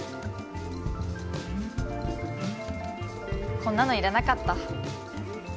こんなのいらなかった。